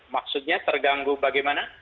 maksudnya terganggu bagaimana